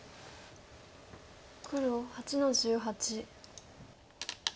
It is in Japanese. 黒８の十八。